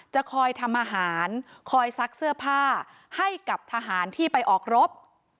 จะคอยทำอาหารคอยซักเสื้อผ้าให้กับทหารที่ไปออกรบ